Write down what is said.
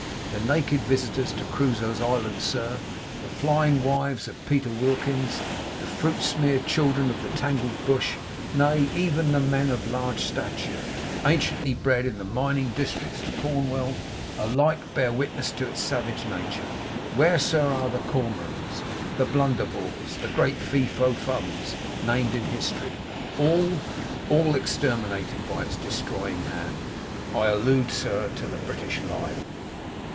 The naked visitors to Crusoe's Island, sir; the flying wives of Peter Wilkins; the fruit smeared children of the tangled bush; nay, even the men of large stature, anciently bred in the mining districts of Cornwall; alike bear witness to its savage nature. Where, sir, are the Cormorans, the Blunderbores, the Great Feefofums, named in History? All, all, exterminated by its destroying hand. '"I allude, sir, to the British Lion.